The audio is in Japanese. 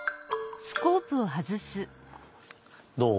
どう？